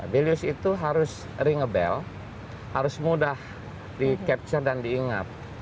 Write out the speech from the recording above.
values itu harus ring a bell harus mudah di capture dan diingat